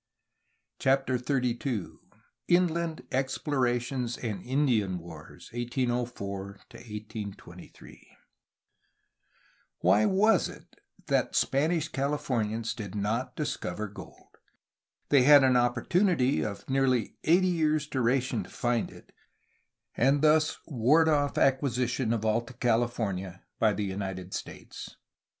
CHAPTER XXXII INLAND EXPLORATIONS AND INDIAN WARS, 1804 1823 Why was it that the Spanish Californians did not discover gold? They had an opportunity of nearly eighty years' duration to find it and thus ward off acquisition of Alta California by the United States.